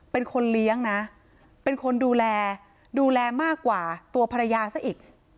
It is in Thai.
เป็นคนเลี้ยงนะเป็นคนดูแลดูแลมากกว่าตัวภรรยาซะอีก